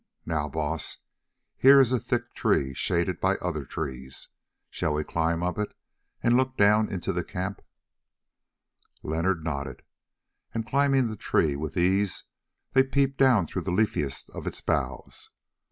Now, Baas, here is a thick tree shaded by other trees. Shall we climb it and look down into the camp?" Leonard nodded, and climbing the tree with ease, they peeped down through the leafiest of its boughs.